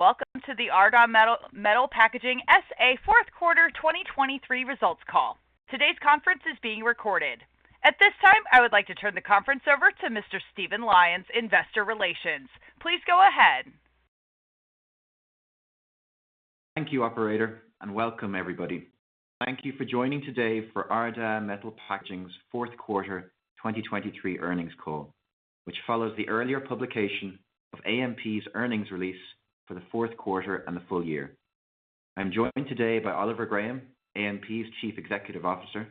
Welcome to the Ardagh Metal Packaging S.A. fourth quarter 2023 results call. Today's conference is being recorded. At this time, I would like to turn the conference over to Mr. Stephen Lyons, Investor Relations. Please go ahead. Thank you, operator, and welcome, everybody. Thank you for joining today for Ardagh Metal Packaging's fourth quarter 2023 earnings call, which follows the earlier publication of AMP's earnings release for the fourth quarter and the full year. I am joined today by Oliver Graham, AMP's Chief Executive Officer,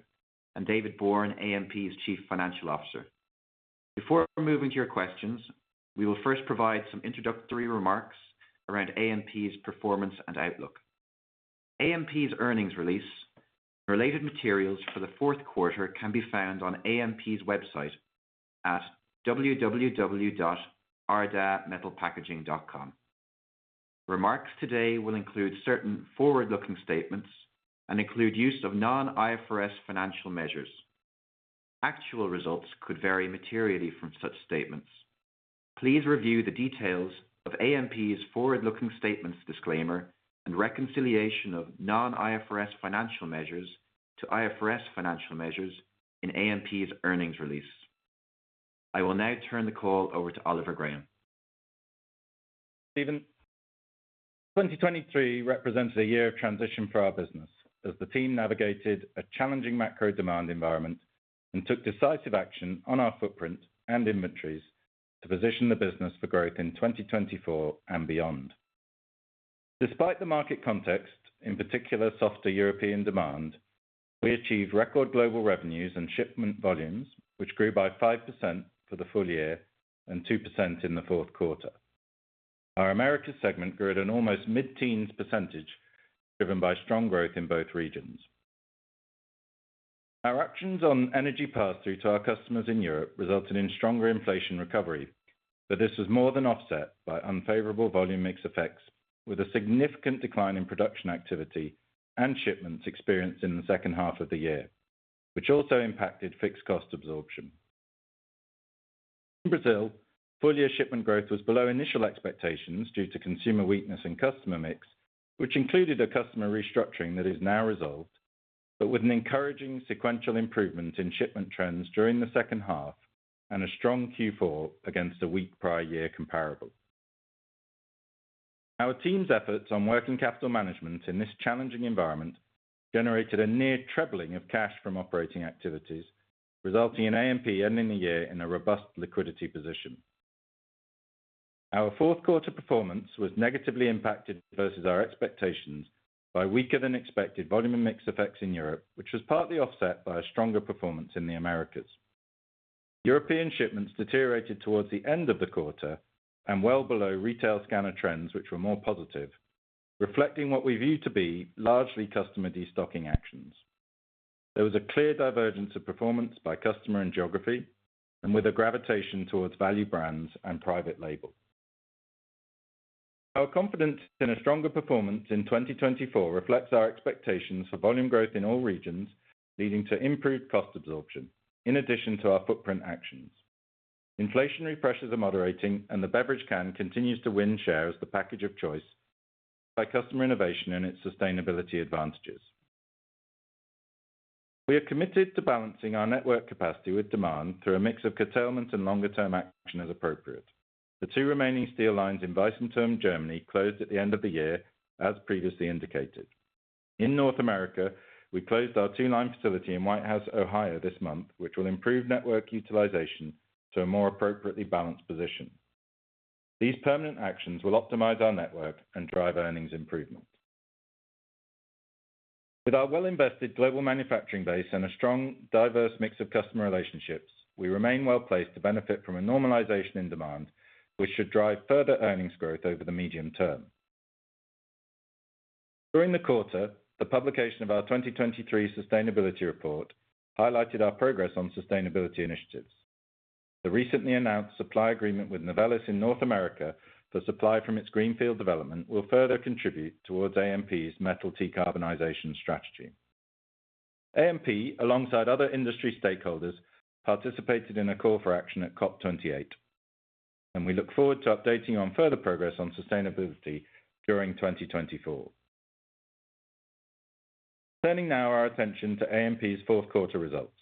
and David Bourne, AMP's Chief Financial Officer. Before moving to your questions, we will first provide some introductory remarks around AMP's performance and outlook. AMP's earnings release and related materials for the fourth quarter can be found on AMP's website at www.ardaghmetalpackaging.com. Remarks today will include certain forward-looking statements and include use of non-IFRS financial measures. Actual results could vary materially from such statements. Please review the details of AMP's forward-looking statements disclaimer and reconciliation of non-IFRS financial measures to IFRS financial measures in AMP's earnings release. I will now turn the call over to Oliver Graham. Stephen, 2023 represented a year of transition for our business as the team navigated a challenging macro demand environment and took decisive action on our footprint and inventories to position the business for growth in 2024 and beyond. Despite the market context, in particular softer European demand, we achieved record global revenues and shipment volumes, which grew by 5% for the full year and 2% in the fourth quarter. Our America segment grew at an almost mid-teens percentage, driven by strong growth in both regions. Our actions on energy pass-through to our customers in Europe resulted in stronger inflation recovery, but this was more than offset by unfavorable volume mix effects, with a significant decline in production activity and shipments experienced in the second half of the year, which also impacted fixed cost absorption. In Brazil, full-year shipment growth was below initial expectations due to consumer weakness and customer mix, which included a customer restructuring that is now resolved, but with an encouraging sequential improvement in shipment trends during the second half and a strong Q4 against a weak prior year comparable. Our team's efforts on working capital management in this challenging environment generated a near trebling of cash from operating activities, resulting in AMP ending the year in a robust liquidity position. Our fourth quarter performance was negatively impacted versus our expectations by weaker-than-expected volume mix effects in Europe, which was partly offset by a stronger performance in the Americas. European shipments deteriorated towards the end of the quarter and well below retail scanner trends, which were more positive, reflecting what we view to be largely customer destocking actions. There was a clear divergence of performance by customer and geography, and with a gravitation towards value brands and private label. Our confidence in a stronger performance in 2024 reflects our expectations for volume growth in all regions, leading to improved cost absorption in addition to our footprint actions. Inflationary pressures are moderating, and the beverage can continues to win share as the package of choice by customer innovation and its sustainability advantages. We are committed to balancing our network capacity with demand through a mix of curtailment and longer-term action as appropriate. The two remaining steel lines in Weißenthurm, Germany, closed at the end of the year, as previously indicated. In North America, we closed our two-line facility in Whitehouse, Ohio, this month, which will improve network utilization to a more appropriately balanced position. These permanent actions will optimize our network and drive earnings improvement. With our well-invested global manufacturing base and a strong, diverse mix of customer relationships, we remain well placed to benefit from a normalization in demand, which should drive further earnings growth over the medium term. During the quarter, the publication of our 2023 sustainability report highlighted our progress on sustainability initiatives. The recently announced supply agreement with Novelis in North America for supply from its greenfield development will further contribute towards AMP's metal decarbonization strategy. AMP, alongside other industry stakeholders, participated in a call for action at COP28, and we look forward to updating you on further progress on sustainability during 2024. Turning now our attention to AMP's fourth quarter results.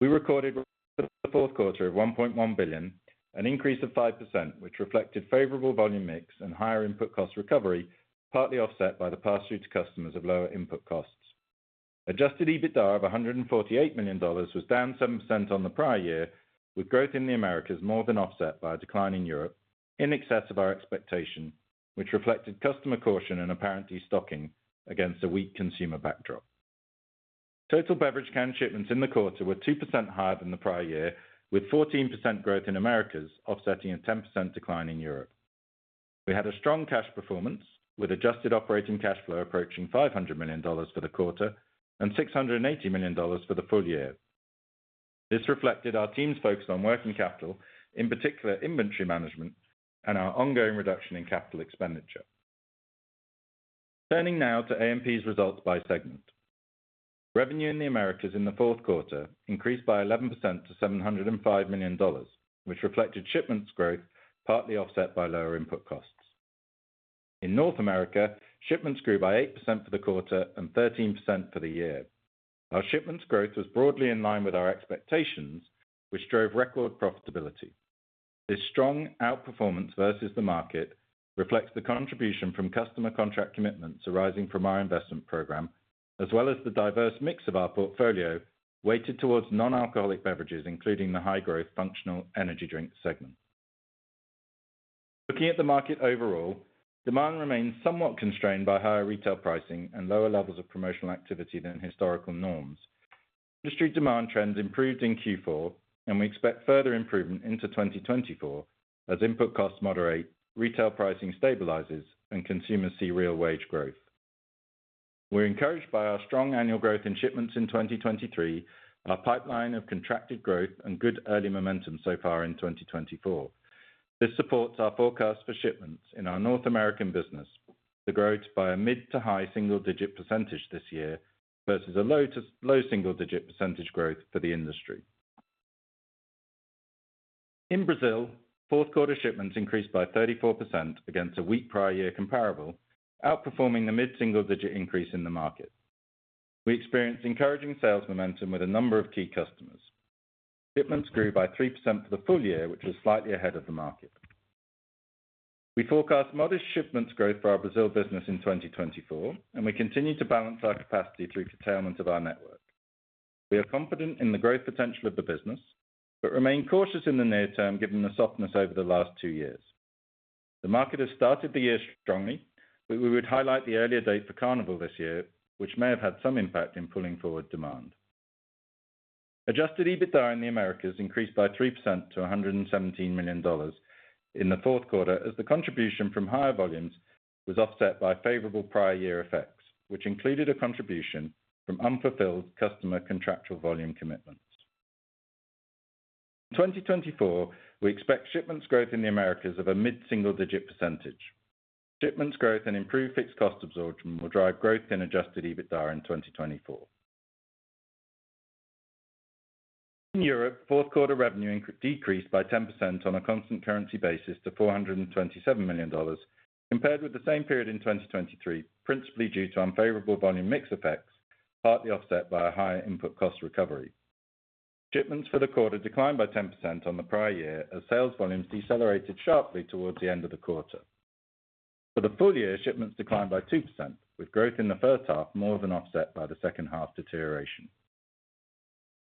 We recorded the fourth quarter of $1.1 billion, an increase of 5%, which reflected favorable volume mix and higher input cost recovery, partly offset by the pass-through to customers of lower input costs. Adjusted EBITDA of $148 million was down 7% on the prior year, with growth in the Americas more than offset by a decline in Europe in excess of our expectation, which reflected customer caution and apparent destocking against a weak consumer backdrop. Total beverage can shipments in the quarter were 2% higher than the prior year, with 14% growth in Americas offsetting a 10% decline in Europe. We had a strong cash performance, with Adjusted Operating Cash Flow approaching $500 million for the quarter and $680 million for the full year. This reflected our team's focus on working capital, in particular inventory management, and our ongoing reduction in capital expenditure. Turning now to AMP's results by segment. Revenue in the Americas in the fourth quarter increased by 11% to $705 million, which reflected shipments growth partly offset by lower input costs. In North America, shipments grew by 8% for the quarter and 13% for the year. Our shipments growth was broadly in line with our expectations, which drove record profitability. This strong outperformance versus the market reflects the contribution from customer contract commitments arising from our investment program, as well as the diverse mix of our portfolio weighted towards non-alcoholic beverages, including the high-growth functional energy drinks segment. Looking at the market overall, demand remains somewhat constrained by higher retail pricing and lower levels of promotional activity than historical norms. Industry demand trends improved in Q4, and we expect further improvement into 2024 as input costs moderate, retail pricing stabilizes, and consumers see real wage growth. We're encouraged by our strong annual growth in shipments in 2023, our pipeline of contracted growth, and good early momentum so far in 2024. This supports our forecast for shipments in our North American business, the growth by a mid- to high-single-digit percentage this year versus a low-single-digit percentage growth for the industry. In Brazil, fourth quarter shipments increased by 34% against a weak prior year comparable, outperforming the mid-single-digit increase in the market. We experienced encouraging sales momentum with a number of key customers. Shipments grew by 3% for the full year, which was slightly ahead of the market. We forecast modest shipments growth for our Brazil business in 2024, and we continue to balance our capacity through curtailment of our network. We are confident in the growth potential of the business but remain cautious in the near term, given the softness over the last two years. The market has started the year strongly, but we would highlight the earlier date for Carnival this year, which may have had some impact in pulling forward demand. Adjusted EBITDA in the Americas increased by 3% to $117 million in the fourth quarter, as the contribution from higher volumes was offset by favorable prior year effects, which included a contribution from unfulfilled customer contractual volume commitments. In 2024, we expect shipments growth in the Americas of a mid-single-digit percentage. Shipments growth and improved fixed cost absorption will drive growth in Adjusted EBITDA in 2024. In Europe, fourth quarter revenue decreased by 10% on a constant currency basis to $427 million, compared with the same period in 2023, principally due to unfavorable volume mix effects, partly offset by a higher input cost recovery. Shipments for the quarter declined by 10% on the prior year as sales volumes decelerated sharply towards the end of the quarter. For the full year, shipments declined by 2%, with growth in the first half more than offset by the second half deterioration.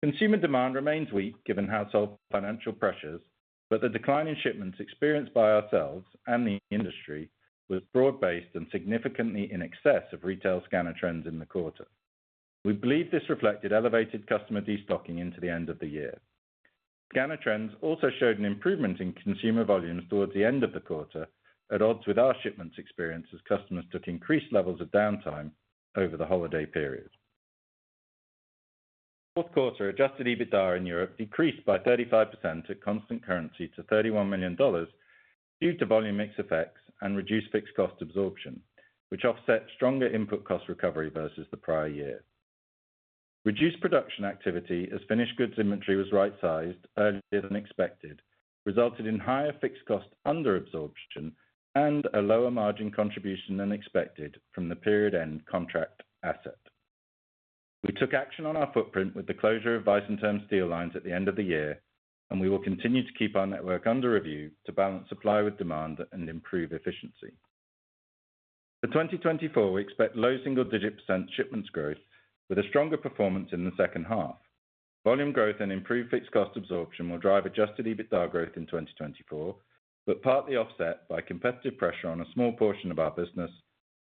Consumer demand remains weak, given household financial pressures, but the decline in shipments experienced by ourselves and the industry was broad-based and significantly in excess of retail scanner trends in the quarter. We believe this reflected elevated customer destocking into the end of the year. Scanner trends also showed an improvement in consumer volumes towards the end of the quarter, at odds with our shipments experience as customers took increased levels of downtime over the holiday period. Fourth quarter Adjusted EBITDA in Europe decreased by 35% at constant currency to $31 million due to volume mix effects and reduced fixed cost absorption, which offset stronger input cost recovery versus the prior year. Reduced production activity as finished goods inventory was right-sized earlier than expected, resulted in higher fixed cost under-absorption and a lower margin contribution than expected from the period-end contract asset. We took action on our footprint with the closure of Weißenthurm steel lines at the end of the year, and we will continue to keep our network under review to balance supply with demand and improve efficiency. For 2024, we expect low-single-digit percent shipments growth with a stronger performance in the second half. Volume growth and improved fixed cost absorption will drive Adjusted EBITDA growth in 2024, but partly offset by competitive pressure on a small portion of our business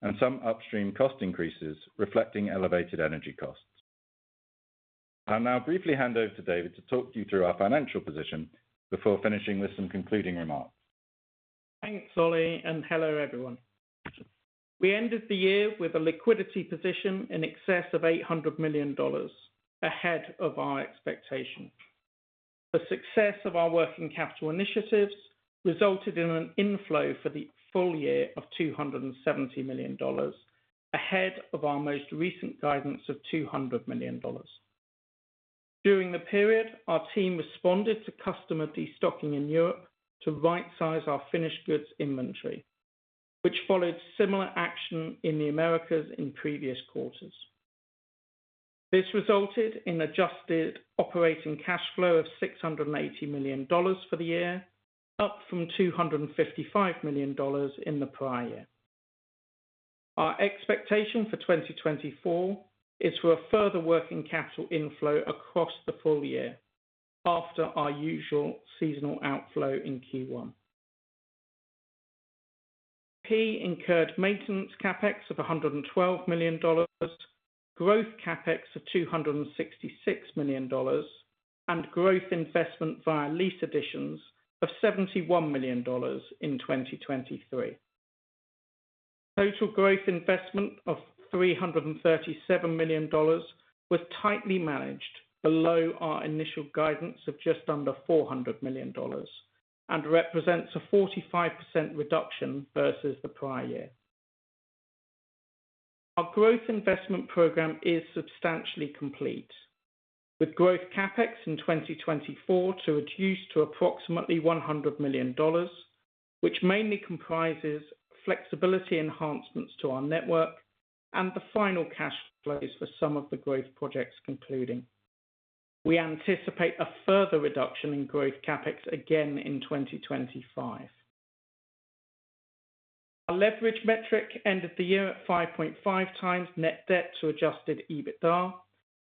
and some upstream cost increases reflecting elevated energy costs. I'll now briefly hand over to David to talk you through our financial position before finishing with some concluding remarks. Thanks, Ollie, and hello, everyone. We ended the year with a liquidity position in excess of $800 million ahead of our expectation. The success of our working capital initiatives resulted in an inflow for the full year of $270 million ahead of our most recent guidance of $200 million. During the period, our team responded to customer destocking in Europe to right-size our finished goods inventory, which followed similar action in the Americas in previous quarters. This resulted in adjusted operating cash flow of $680 million for the year, up from $255 million in the prior year. Our expectation for 2024 is for a further working capital inflow across the full year after our usual seasonal outflow in Q1. AMP incurred maintenance CapEx of $112 million, growth CapEx of $266 million, and growth investment via lease additions of $71 million in 2023. Total growth investment of $337 million was tightly managed below our initial guidance of just under $400 million and represents a 45% reduction versus the prior year. Our growth investment program is substantially complete, with growth CapEx in 2024 to reduce to approximately $100 million, which mainly comprises flexibility enhancements to our network and the final cash flows for some of the growth projects concluding. We anticipate a further reduction in growth CapEx again in 2025. Our leverage metric ended the year at 5.5x net debt to Adjusted EBITDA,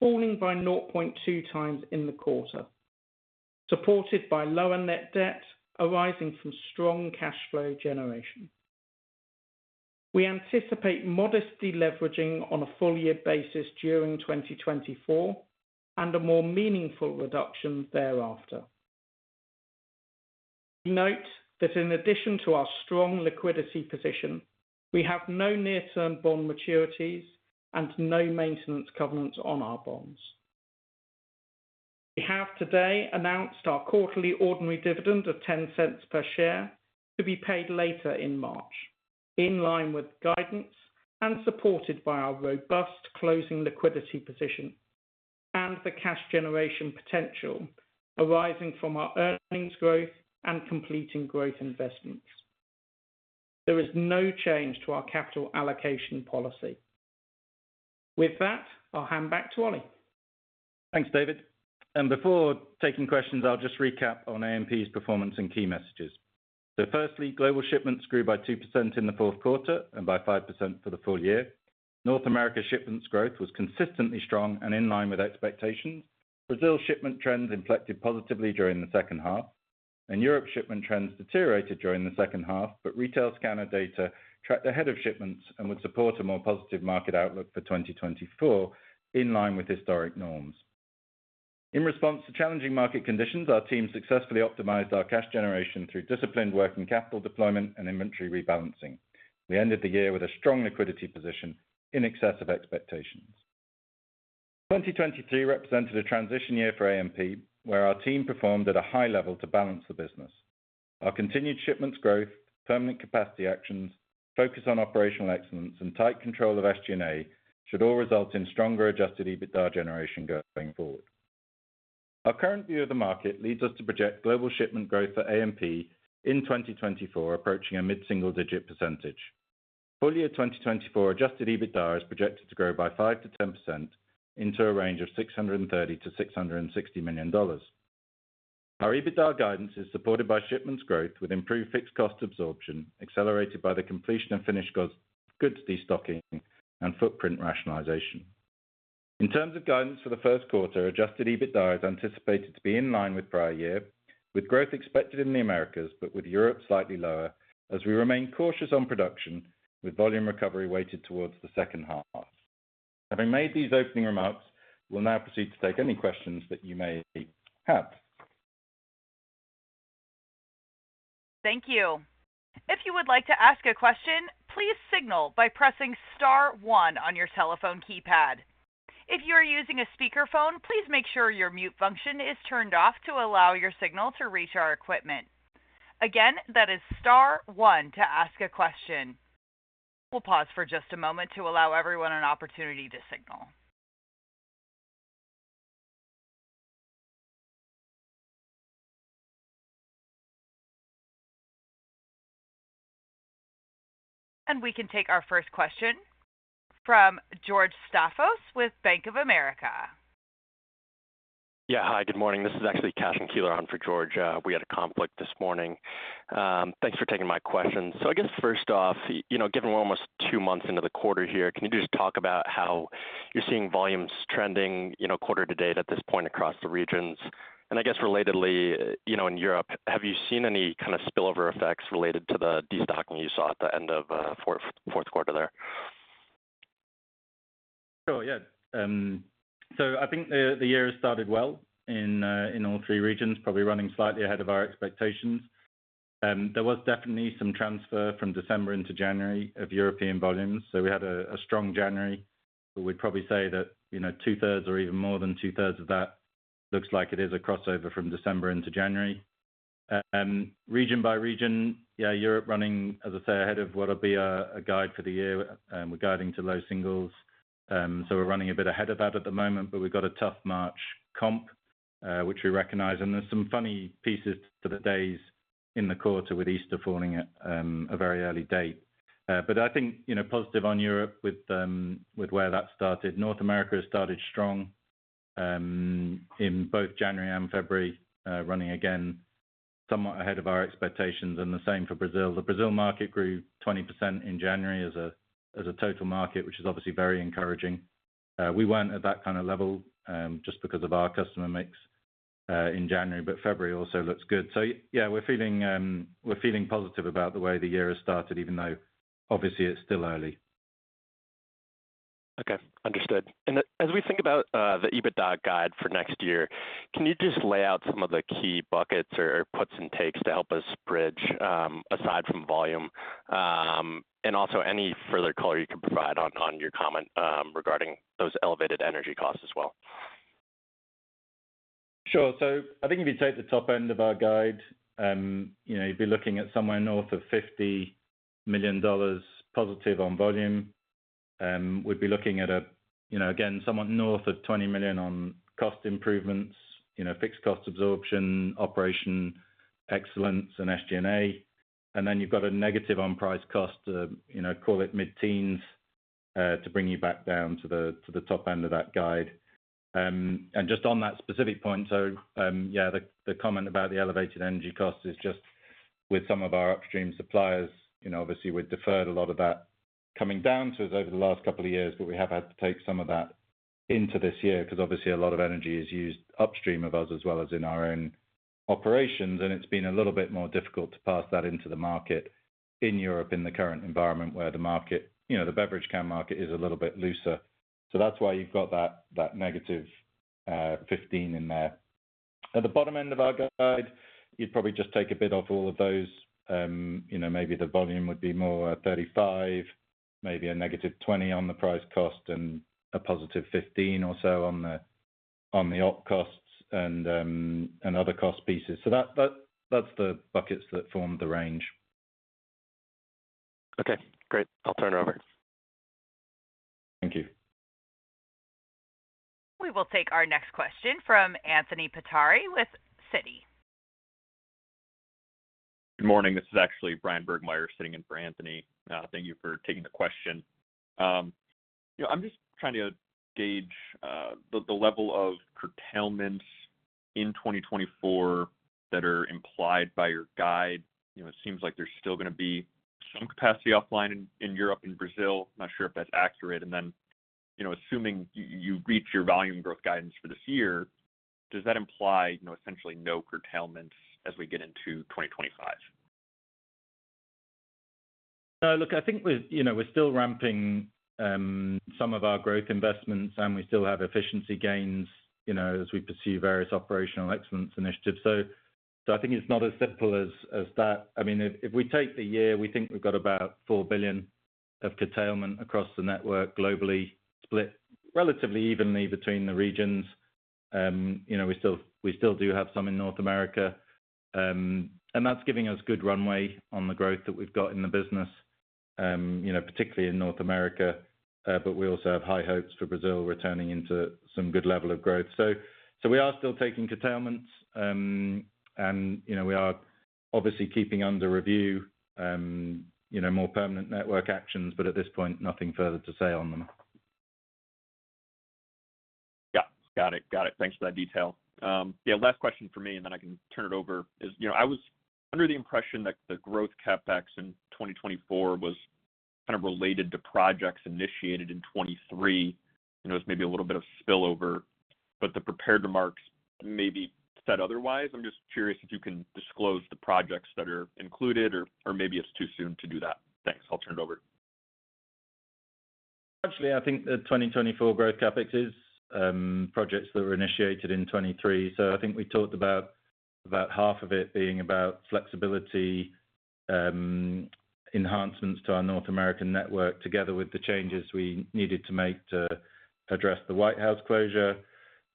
falling by 0.2x in the quarter, supported by lower net debt arising from strong cash flow generation. We anticipate modestly leveraging on a full-year basis during 2024 and a more meaningful reduction thereafter. We note that in addition to our strong liquidity position, we have no near-term bond maturities and no maintenance covenants on our bonds. We have today announced our quarterly ordinary dividend of $0.10 per share to be paid later in March, in line with guidance and supported by our robust closing liquidity position and the cash generation potential arising from our earnings growth and completing growth investments. There is no change to our capital allocation policy. With that, I'll hand back to Ollie. Thanks, David. Before taking questions, I'll just recap on AMP's performance and key messages. Firstly, global shipments grew by 2% in the fourth quarter and by 5% for the full year. North America shipments growth was consistently strong and in line with expectations. Brazil shipment trends inflected positively during the second half, and Europe shipment trends deteriorated during the second half, but retail scanner data tracked ahead of shipments and would support a more positive market outlook for 2024 in line with historic norms. In response to challenging market conditions, our team successfully optimized our cash generation through disciplined working capital deployment and inventory rebalancing. We ended the year with a strong liquidity position in excess of expectations. 2023 represented a transition year for AMP, where our team performed at a high level to balance the business. Our continued shipments growth, permanent capacity actions, focus on operational excellence, and tight control of SG&A should all result in stronger Adjusted EBITDA generation going forward. Our current view of the market leads us to project global shipment growth for AMP in 2024 approaching a mid-single-digit percentage. Full-year 2024 Adjusted EBITDA is projected to grow by 5%-10% into a range of $630 million-$660 million. Our EBITDA guidance is supported by shipments growth with improved fixed cost absorption accelerated by the completion of finished goods destocking and footprint rationalization. In terms of guidance for the first quarter, Adjusted EBITDA is anticipated to be in line with prior year, with growth expected in the Americas but with Europe slightly lower as we remain cautious on production with volume recovery weighted towards the second half. Having made these opening remarks, we'll now proceed to take any questions that you may have. Thank you. If you would like to ask a question, please signal by pressing star one on your telephone keypad. If you are using a speakerphone, please make sure your mute function is turned off to allow your signal to reach our equipment. Again, that is star one to ask a question. We'll pause for just a moment to allow everyone an opportunity to signal. We can take our first question from George Staphos with Bank of America. Yeah, hi, good morning. This is actually Cashen Keeler on for George. We had a conflict this morning. Thanks for taking my question. So I guess first off, given we're almost two months into the quarter here, can you just talk about how you're seeing volumes trending quarter to date at this point across the regions? And I guess relatedly, in Europe, have you seen any kind of spillover effects related to the destocking you saw at the end of fourth quarter there? Sure, yeah. So I think the year has started well in all three regions, probably running slightly ahead of our expectations. There was definitely some transfer from December into January of European volumes. So we had a strong January, but we'd probably say that 2/3 or even more than 2/3 of that looks like it is a crossover from December into January. Region by region, yeah, Europe running, as I say, ahead of what'll be a guide for the year. We're guiding to low singles. So we're running a bit ahead of that at the moment, but we've got a tough March comp, which we recognize. And there's some funny pieces to the days in the quarter with Easter falling at a very early date. But I think positive on Europe with where that started. North America has started strong in both January and February, running again somewhat ahead of our expectations, and the same for Brazil. The Brazil market grew 20% in January as a total market, which is obviously very encouraging. We weren't at that kind of level just because of our customer mix in January, but February also looks good. So yeah, we're feeling positive about the way the year has started, even though obviously it's still early. Okay, understood. As we think about the EBITDA guide for next year, can you just lay out some of the key buckets or puts and takes to help us bridge aside from volume? Also any further color you could provide on your comment regarding those elevated energy costs as well. Sure. So I think if you take the top end of our guide, you'd be looking at somewhere north of $50 million positive on volume. We'd be looking at, again, somewhat north of $20 million on cost improvements, fixed cost absorption, operational excellence, and SG&A. And then you've got a negative on-price cost, call it mid-teens, to bring you back down to the top end of that guide. And just on that specific point, so yeah, the comment about the elevated energy cost is just with some of our upstream suppliers, obviously we'd deferred a lot of that coming down to us over the last couple of years, but we have had to take some of that into this year because obviously a lot of energy is used upstream of us as well as in our own operations, and it's been a little bit more difficult to pass that into the market in Europe in the current environment where the beverage can market is a little bit looser. So that's why you've got that -15 in there. At the bottom end of our guide, you'd probably just take a bit off all of those. Maybe the volume would be more a 35, maybe a -20 on the price cost, and a +15 or so on the op costs and other cost pieces. So that's the buckets that formed the range. Okay, great. I'll turn it over. Thank you. We will take our next question from Anthony Pettinari with Citi. Good morning. This is actually Bryan Burgmeier sitting in for Anthony. Thank you for taking the question. I'm just trying to gauge the level of curtailments in 2024 that are implied by your guide. It seems like there's still going to be some capacity offline in Europe and Brazil. I'm not sure if that's accurate. And then assuming you reach your volume growth guidance for this year, does that imply essentially no curtailments as we get into 2025? No, look, I think we're still ramping some of our growth investments, and we still have efficiency gains as we pursue various operational excellence initiatives. So I think it's not as simple as that. I mean, if we take the year, we think we've got about $4 billion of curtailment across the network globally, split relatively evenly between the regions. We still do have some in North America. And that's giving us good runway on the growth that we've got in the business, particularly in North America. But we also have high hopes for Brazil returning into some good level of growth. So we are still taking curtailments, and we are obviously keeping under review more permanent network actions, but at this point, nothing further to say on them. Yeah, got it. Got it. Thanks for that detail. Yeah, last question for me, and then I can turn it over. I was under the impression that the growth CapEx in 2024 was kind of related to projects initiated in 2023. It was maybe a little bit of spillover, but the prepared remarks maybe said otherwise. I'm just curious if you can disclose the projects that are included, or maybe it's too soon to do that. Thanks. I'll turn it over. Actually, I think the 2024 growth CapEx is projects that were initiated in 2023. So I think we talked about half of it being about flexibility enhancements to our North American network together with the changes we needed to make to address the Whitehouse closure.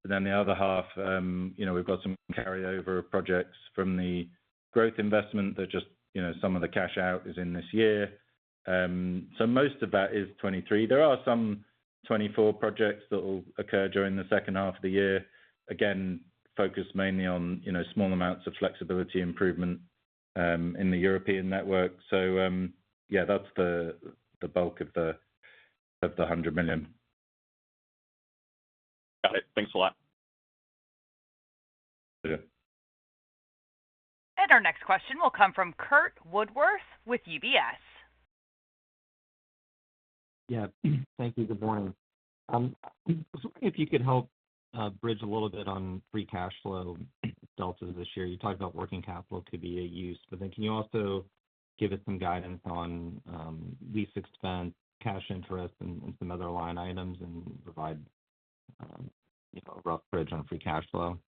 And then the other half, we've got some carryover projects from the growth investment that just some of the cash out is in this year. So most of that is 2023. There are some 2024 projects that'll occur during the second half of the year, again, focused mainly on small amounts of flexibility improvement in the European network. So yeah, that's the bulk of the $100 million. Got it. Thanks a lot. Pleasure. Our next question will come from Curt Woodworth with UBS. Yeah, thank you. Good morning. I was wondering if you could help bridge a little bit on free cash flow deltas this year. You talked about working capital could be a use, but then can you also give us some guidance on lease expense, cash interest, and some other line items and provide a rough bridge on free cash flow?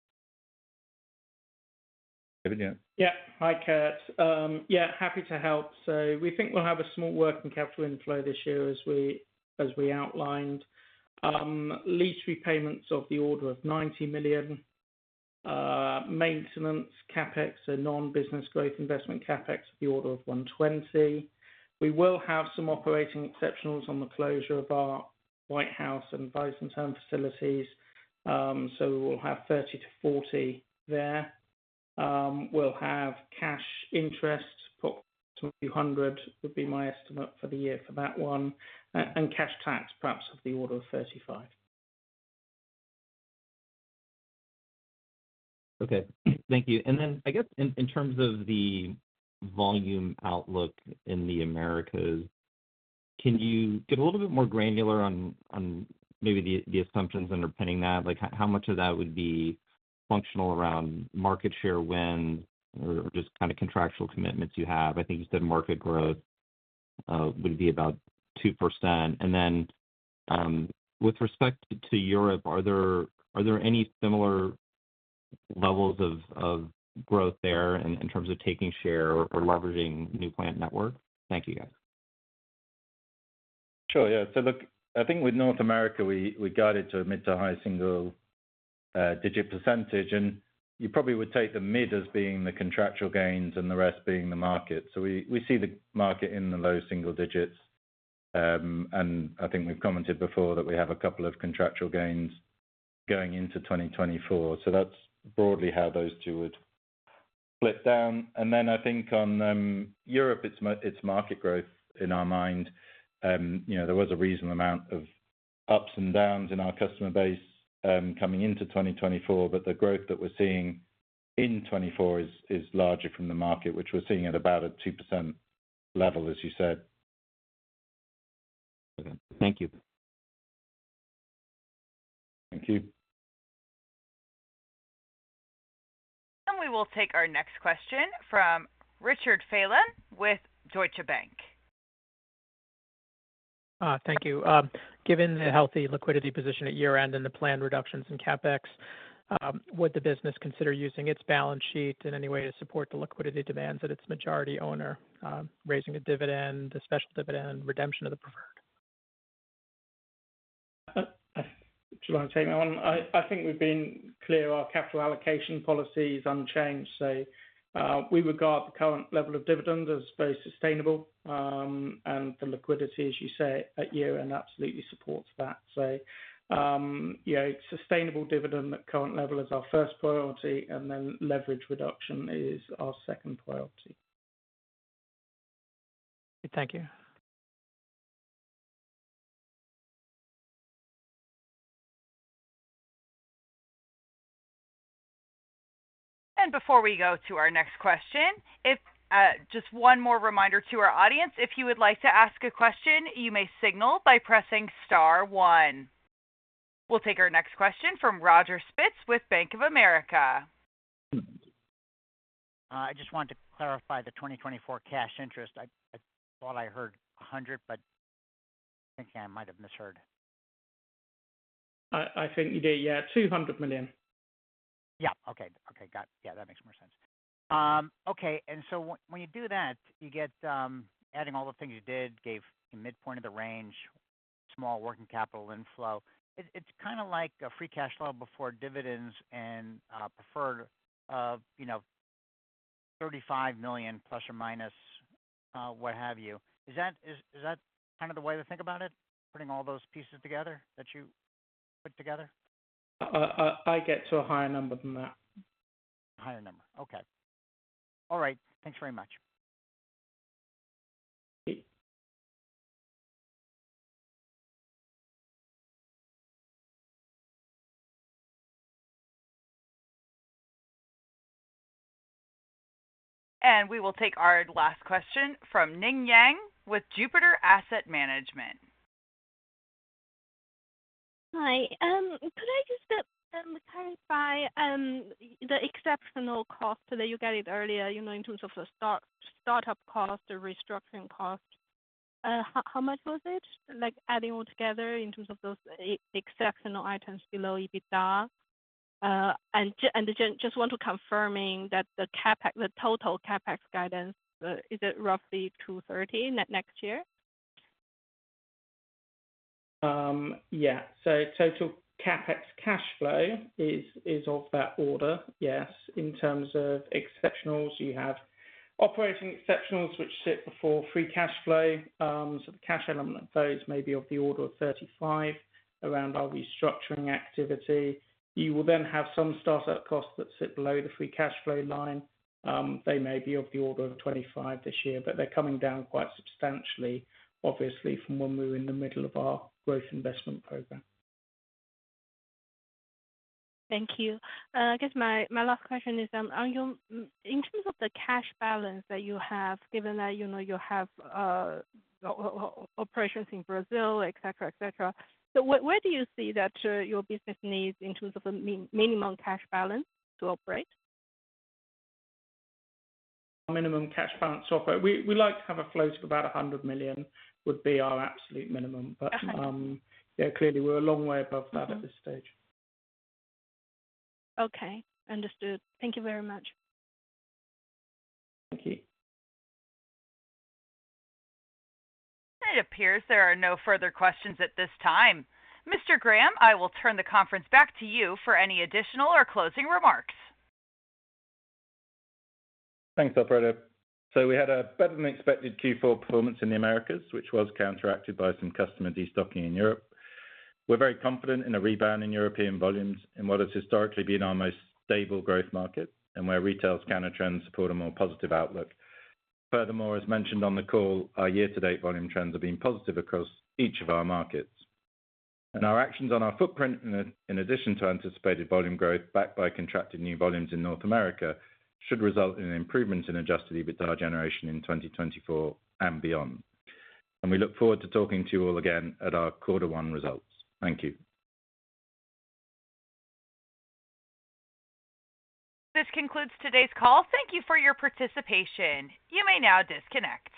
David, yeah. Yeah, hi, Curt. Yeah, happy to help. So we think we'll have a small working capital inflow this year as we outlined. Lease repayments of the order of $90 million. Maintenance CapEx, so non-business growth investment CapEx, of the order of $120 million. We will have some operating exceptionals on the closure of our Whitehouse and Weißenthurm facilities. So we'll have $30 million-$40 million there. We'll have cash interest, put $200 million would be my estimate for the year for that one, and cash tax, perhaps of the order of $35 million. Okay, thank you. And then I guess in terms of the volume outlook in the Americas, can you get a little bit more granular on maybe the assumptions underpinning that? How much of that would be functional around market share wins or just kind of contractual commitments you have? I think you said market growth would be about 2%. And then with respect to Europe, are there any similar levels of growth there in terms of taking share or leveraging new plant network? Thank you, guys. Sure, yeah. So look, I think with North America, we got it to a mid- to a high-single-digit percentage. And you probably would take the mid as being the contractual gains and the rest being the market. So we see the market in the low-single-digit. And I think we've commented before that we have a couple of contractual gains going into 2024. So that's broadly how those two would split down. And then I think on Europe, it's market growth in our mind. There was a reasonable amount of ups and downs in our customer base coming into 2024, but the growth that we're seeing in 2024 is larger from the market, which we're seeing at about a 2% level, as you said. Thank you. Thank you. We will take our next question from Richard Phelan with Deutsche Bank. Thank you. Given the healthy liquidity position at year-end and the planned reductions in CapEx, would the business consider using its balance sheet in any way to support the liquidity demands at its majority owner, raising a dividend, a special dividend, redemption of the preferred? Do you want to take that one? I think we've been clear. Our capital allocation policy is unchanged. So we regard the current level of dividend as very sustainable. And the liquidity, as you say, at year-end absolutely supports that. So sustainable dividend at current level is our first priority, and then leverage reduction is our second priority. Thank you. Before we go to our next question, just one more reminder to our audience. If you would like to ask a question, you may signal by pressing star 1. We'll take our next question from Roger Spitz with Bank of America. I just wanted to clarify the 2024 cash interest. I thought I heard $100, but I think I might have misheard. I think you did, yeah, $200 million. Yeah, okay. Okay, got it. Yeah, that makes more sense. Okay, and so when you do that, adding all the things you did, gave midpoint of the range, small working capital inflow. It's kind of like a free cash flow before dividends and preferred of $35 million±, what have you. Is that kind of the way to think about it, putting all those pieces together that you put together? I get to a higher number than that. Higher number. Okay. All right. Thanks very much. We will take our last question from Ning Yang with Jupiter Asset Management. Hi. Could I just clarify the exceptional cost that you got earlier in terms of the startup cost, the restructuring cost? How much was it adding all together in terms of those exceptional items below EBITDA? And just want to confirm that the total CapEx guidance, is it roughly to $30 million next year? Yeah, so total CapEx cash flow is of that order, yes, in terms of exceptionals. You have operating exceptionals, which sit before free cash flow. So the cash element of those may be of the order of $35 million around our restructuring activity. You will then have some startup costs that sit below the free cash flow line. They may be of the order of $25 million this year, but they're coming down quite substantially, obviously, from when we were in the middle of our growth investment program. Thank you. I guess my last question is, in terms of the cash balance that you have, given that you have operations in Brazil, etc., etc., so where do you see that your business needs in terms of a minimum cash balance to operate? Minimum cash balance to operate. We like to have a flow of about $100 million would be our absolute minimum. But yeah, clearly, we're a long way above that at this stage. Okay, understood. Thank you very much. Thank you. It appears there are no further questions at this time. Mr. Graham, I will turn the conference back to you for any additional or closing remarks. Thanks, operator. We had a better-than-expected Q4 performance in the Americas, which was counteracted by some customer destocking in Europe. We're very confident in a rebound in European volumes in what has historically been our most stable growth market, and where retail's countertrends support a more positive outlook. Furthermore, as mentioned on the call, our year-to-date volume trends have been positive across each of our markets. Our actions on our footprint, in addition to anticipated volume growth backed by contracted new volumes in North America, should result in an improvement in Adjusted EBITDA generation in 2024 and beyond. We look forward to talking to you all again at our quarter one results. Thank you. This concludes today's call. Thank you for your participation. You may now disconnect.